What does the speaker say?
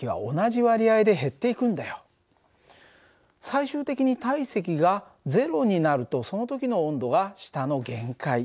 最終的に体積が０になるとその時の温度が下の限界最低温度